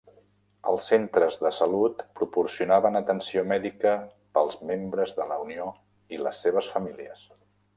Els centres de salud proporcionaven atenció mèdica pels membres de la unió i les seves famílies.